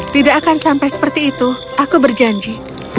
tidak akan sampai seperti itu aku berjanji